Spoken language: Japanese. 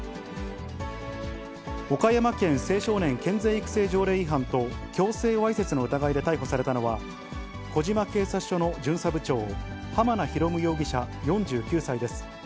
岡山県青少年健全育成条例違反と強制わいせつの疑いで逮捕されたのは、児島警察署の巡査部長、浜名啓容疑者４９歳です。